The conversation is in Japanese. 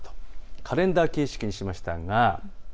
カレンダー形式にしました。